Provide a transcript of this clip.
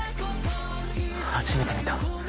初めて見た。